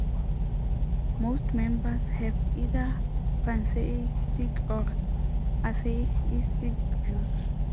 Most members have either pantheistic or atheistic views.